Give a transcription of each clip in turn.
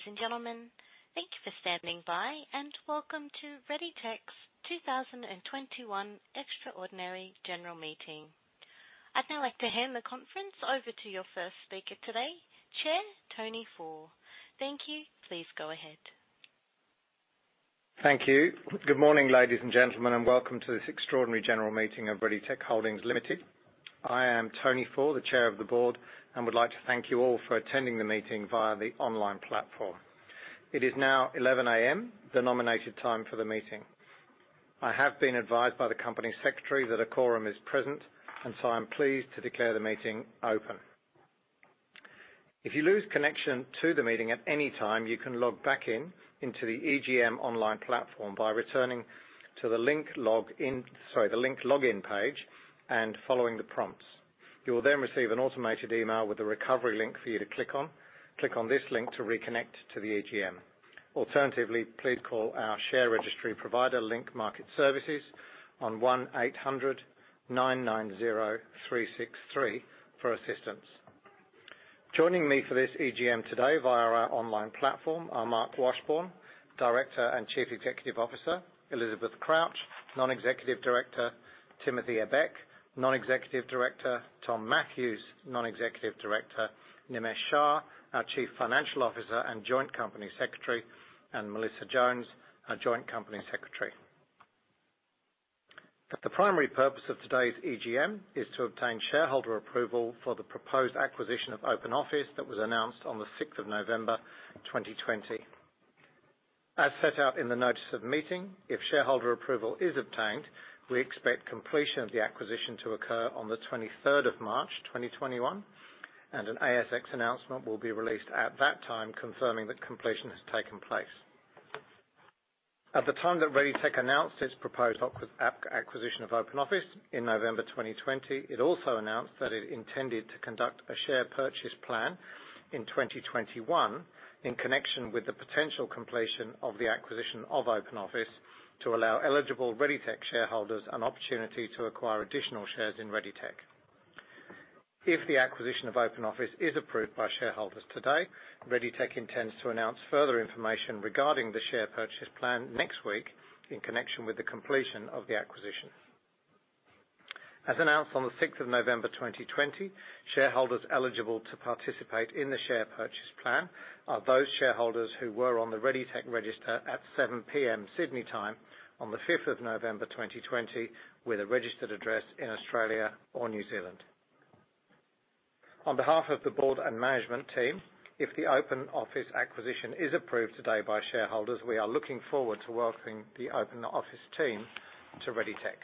Ladies and gentlemen, thank you for standing by, and welcome to ReadyTech's 2021 extraordinary general meeting. I'd now like to hand the conference over to your first speaker today, Chair Tony Faure. Thank you. Please go ahead. Thank you. Good morning, ladies and gentlemen, and welcome to this extraordinary general meeting of ReadyTech Holdings Limited. I am Tony Faure, the Chair of the Board, and would like to thank you all for attending the meeting via the online platform. It is now 11:00 A.M., the nominated time for the meeting. I have been advised by the company secretary that a quorum is present, and so I'm pleased to declare the meeting open. If you lose connection to the meeting at any time, you can log back in into the EGM online platform by returning to the Link login page and following the prompts. You will receive an automated email with a recovery link for you to click on. Click on this link to reconnect to the EGM. Alternatively, please call our share registry provider, Link Market Services, on 1800 990 363 for assistance. Joining me for this EGM today via our online platform are Marc Washbourne, Director and Chief Executive Officer, Elizabeth Crouch, Non-Executive Director, Timothy Ebbeck, Non-Executive Director, Tom Matthews, Non-Executive Director, Nimesh Shah, our Chief Financial Officer and Joint Company Secretary, and Melissa Jones, our Joint Company Secretary. The primary purpose of today's EGM is to obtain shareholder approval for the proposed acquisition of Open Office that was announced on the 6th of November 2020. As set out in the notice of meeting, if shareholder approval is obtained, we expect completion of the acquisition to occur on the 23rd of March 2021, and an ASX announcement will be released at that time confirming that completion has taken place. At the time that ReadyTech announced its proposed acquisition of Open Office in November 2020, it also announced that it intended to conduct a share purchase plan in 2021 in connection with the potential completion of the acquisition of Open Office to allow eligible ReadyTech shareholders an opportunity to acquire additional shares in ReadyTech. If the acquisition of Open Office is approved by shareholders today, ReadyTech intends to announce further information regarding the share purchase plan next week in connection with the completion of the acquisition. As announced on the 6th of November 2020, shareholders eligible to participate in the share purchase plan are those shareholders who were on the ReadyTech register at 7:00 P.M., Sydney time, on the 5th of November 2020 with a registered address in Australia or New Zealand. On behalf of the board and management team, if the Open Office acquisition is approved today by shareholders, we are looking forward to welcoming the Open Office team to ReadyTech.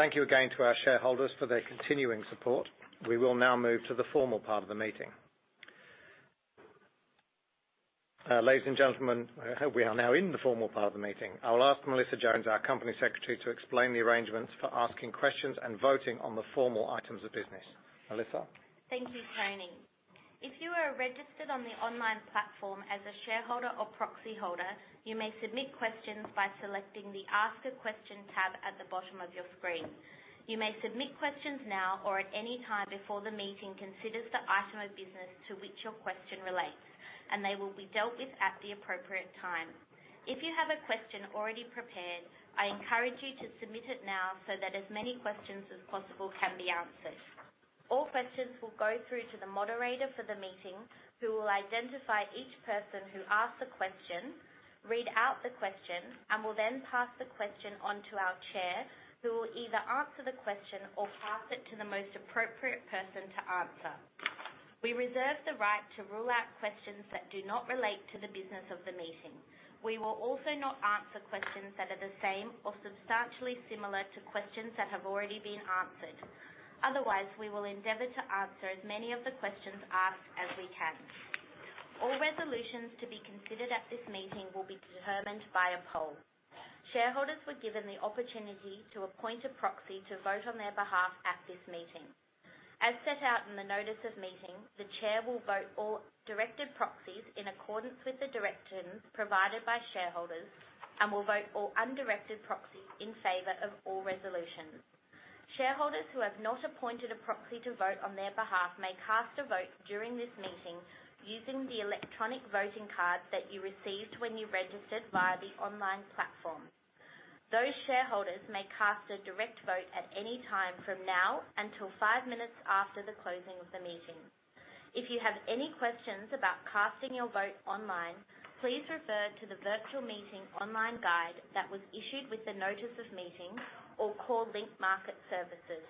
Thank you again to our shareholders for their continuing support. We will now move to the formal part of the meeting. Ladies and gentlemen, we are now in the formal part of the meeting. I will ask Melissa Jones, our Company Secretary, to explain the arrangements for asking questions and voting on the formal items of business. Melissa? Thank you, Tony. If you are registered on the online platform as a shareholder or proxyholder, you may submit questions by selecting the Ask a Question tab at the bottom of your screen. You may submit questions now or at any time before the meeting considers the item of business to which your question relates, and they will be dealt with at the appropriate time. If you have a question already prepared, I encourage you to submit it now so that as many questions as possible can be answered. All questions will go through to the moderator for the meeting, who will identify each person who asked the question, read out the question, and will then pass the question on to our chair, who will either answer the question or pass it to the most appropriate person to answer. We reserve the right to rule out questions that do not relate to the business of the meeting. We will also not answer questions that are the same or substantially similar to questions that have already been answered. Otherwise, we will endeavor to answer as many of the questions asked as we can. All resolutions to be considered at this meeting will be determined by a poll. Shareholders were given the opportunity to appoint a proxy to vote on their behalf at this meeting. As set out in the notice of meeting, the chair will vote all directed proxies in accordance with the directions provided by shareholders and will vote all undirected proxies in favor of all resolutions. Shareholders who have not appointed a proxy to vote on their behalf may cast a vote during this meeting using the electronic voting card that you received when you registered via the online platform. Those shareholders may cast a direct vote at any time from now until five minutes after the closing of the meeting. If you have any questions about casting your vote online, please refer to the virtual meeting online guide that was issued with the notice of meeting or call Link Market Services.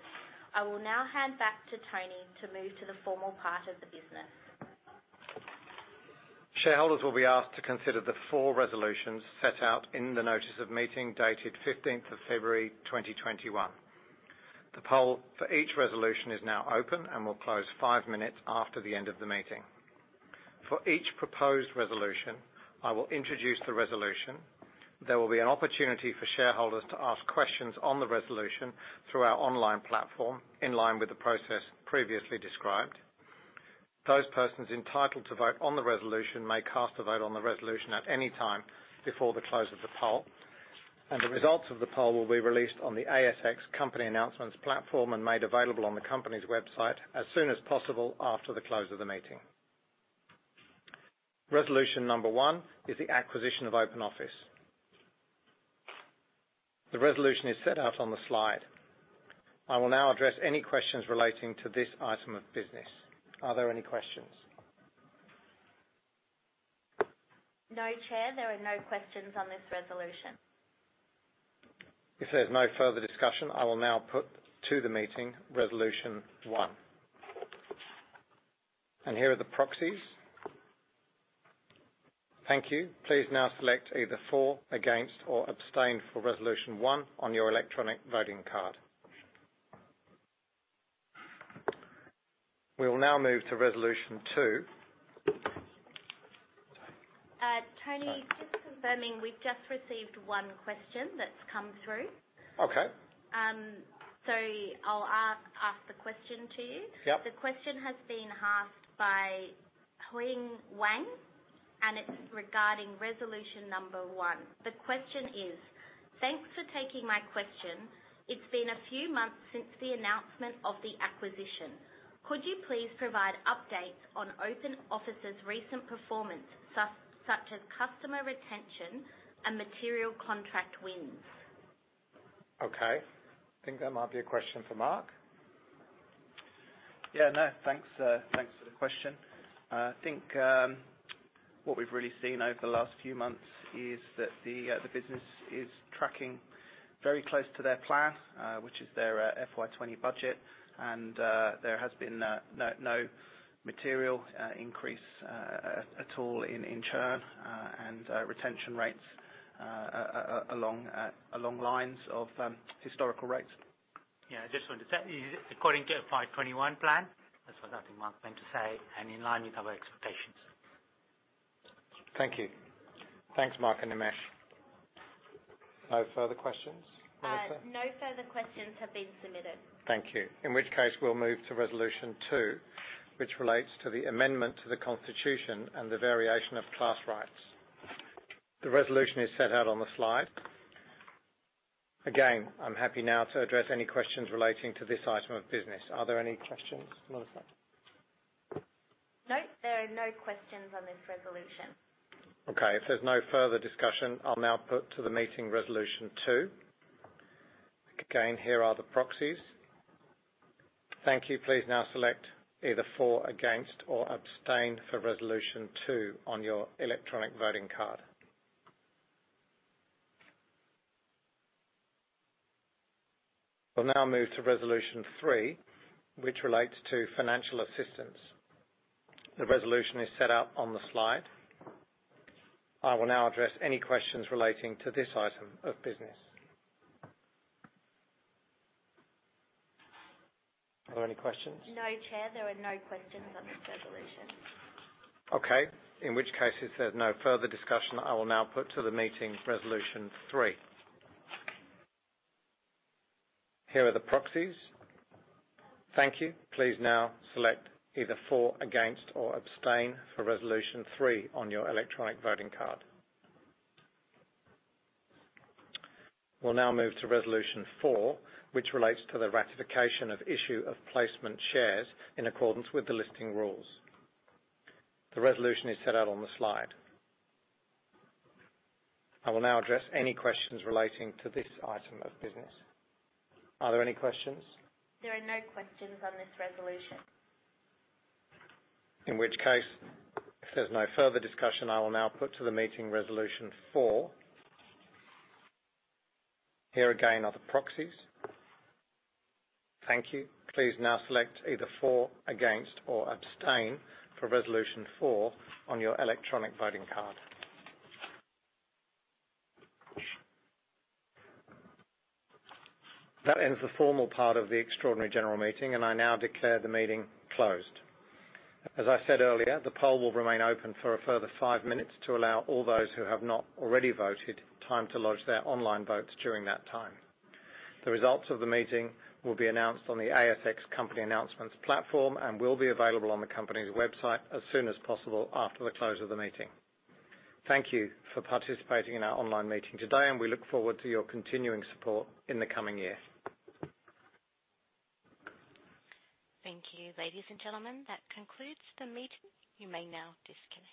I will now hand back to Tony Faure to move to the formal part of the business. Shareholders will be asked to consider the four resolutions set out in the notice of meeting dated 15th of February 2021. The poll for each resolution is now open and will close five minutes after the end of the meeting. For each proposed resolution, I will introduce the resolution. There will be an opportunity for shareholders to ask questions on the resolution through our online platform, in line with the process previously described. Those persons entitled to vote on the resolution may cast a vote on the resolution at any time before the close of the poll. The results of the poll will be released on the ASX company announcements platform and made available on the company's website as soon as possible after the close of the meeting. Resolution number one is the acquisition of Open Office. The resolution is set out on the slide. I will now address any questions relating to this item of business. Are there any questions? No, Chair, there are no questions on this resolution. If there's no further discussion, I will now put to the meeting Resolution 1. Here are the proxies. Thank you. Please now select either for, against, or abstain Resolution 1 on your electronic voting card. We will now move to Resolution 2. Tony, just confirming, we've just received one question that's come through. Okay. I'll ask the question to you. Yep. The question has been asked by Hui Wang, it's regarding resolution number one. The question is, Thanks for taking my question. It's been a few months since the announcement of the acquisition. Could you please provide updates on Open Office's recent performance, such as customer retention and material contract wins? Okay. I think that might be a question for Marc. Yeah. No, thanks, sir. Thanks for the question. I think what we've really seen over the last few months is that the business is tracking very close to their plan, which is their FY 2021 budget. There has been no material increase at all in churn and retention rates along lines of historical rates. Yeah, I just want to say, according to FY 2021 plan. That's what I think Marc meant to say, and in line with our expectations. Thank you. Thanks, Marc and Nimesh. No further questions, Melissa? No further questions have been submitted. Thank you. In which case, we'll move to Resolution 2, which relates to the amendment to the constitution and the variation of class rights. The resolution is set out on the slide. Again, I'm happy now to address any questions relating to this item of business. Are there any questions, Melissa? No, there are no questions on this resolution. Okay. If there's no further discussion, I'll now put to the meeting Resolution 2. Again, here are the proxies. Thank you. Please now select either for, against, or abstain for Resolution 2 on your electronic voting card. We'll now move to Resolution 2, which relates to financial assistance. The resolution is set out on the slide. I will now address any questions relating to this item of business. Are there any questions? No, Chair, there are no questions on this resolution. Okay, in which case, if there's no further discussion, I will now put to the meeting Resolution 2. Here are the proxies. Thank you. Please now select either for, against, or abstain for Resolution 2 on your electronic voting card. We'll now move to Resolution 4, which relates to the ratification of issue of placement shares in accordance with the Listing Rules. The resolution is set out on the slide. I will now address any questions relating to this item of business. Are there any questions? There are no questions on this resolution. In which case, if there's no further discussion, I will now put to the meeting Resolution 4. Here again are the proxies. Thank you. Please now select either for, against, or abstain for Resolution 4 on your electronic voting card. That ends the formal part of the extraordinary general meeting, and I now declare the meeting closed. As I said earlier, the poll will remain open for a further five minutes to allow all those who have not already voted time to lodge their online votes during that time. The results of the meeting will be announced on the ASX company announcements platform and will be available on the company's website as soon as possible after the close of the meeting. Thank you for participating in our online meeting today, and we look forward to your continuing support in the coming year. Thank you, ladies and gentlemen. That concludes the meeting. You may now disconnect.